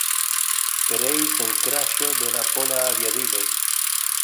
Pereis en kraŝo de la pola aviadilo.